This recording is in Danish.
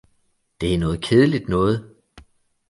Det er noget kedeligt noget